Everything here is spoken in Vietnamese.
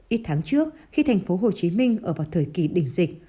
ít tháng trước khi thành phố hồ chí minh ở vào thời kỳ đỉnh dịch